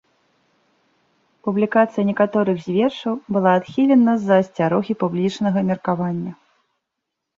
Публікацыя некаторых з вершаў была адхілена з-за асцярогі публічнага меркавання.